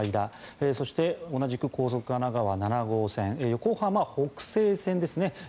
そして同じく高速神奈川７号線横浜港北線ですね